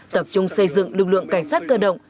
tập trung xây dựng lực lượng cảnh sát cơ động